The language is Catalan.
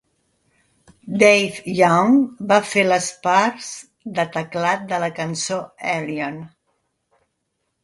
Dave Young va fer les parts de teclat de la cançó "Alien".